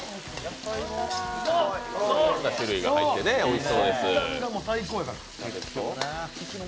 いろんな種類が入っておいしそうです。